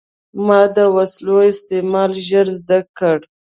ما د وسلو استعمال ژر زده کړ.